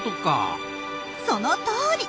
そのとおり。